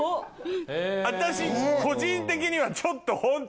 私個人的にはちょっと。